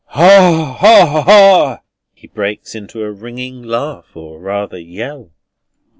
"Ha, ha, ha!" He breaks into a ringing laugh, or rather yell.